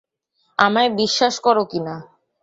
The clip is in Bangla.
আমায় বিশ্বাস করো কিনা?